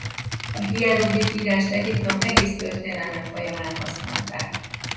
A hieroglif írást Egyiptom egész történelme folyamán használták.